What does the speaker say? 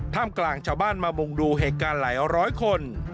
กลางชาวบ้านมามุงดูเหตุการณ์หลายร้อยคน